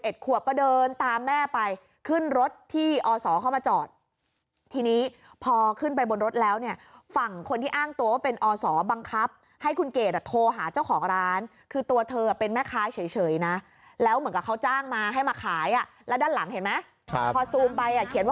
เอ็ดขวบก็เดินตามแม่ไปขึ้นรถที่อสอเข้ามาจอดทีนี้พอ